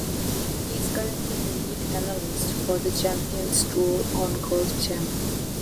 He is currently the lead analyst for the Champions Tour on Golf Channel.